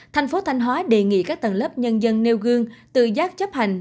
thành phố thanh hóa đề nghị các tầng lớp nhân dân nêu gương tự giác chấp hành